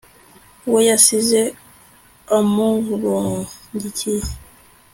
we yasize amurungikiye……